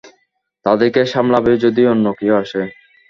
তাদেরকে সামলাবে যদি অন্য কেউ আসে?